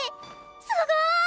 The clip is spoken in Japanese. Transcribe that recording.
すごい！